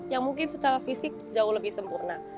yang mungkin secara fisik jauh lebih sempurna